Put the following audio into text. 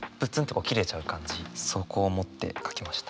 そこを思って書きました。